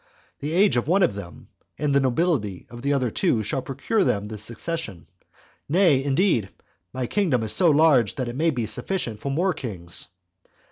The age of one of them, and the nobility of the other two, shall procure them the succession. Nay, indeed, my kingdom is so large that it may be sufficient for more kings.